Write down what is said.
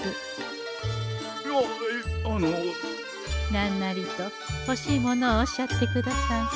なんなりと欲しいものをおっしゃってくださんせ。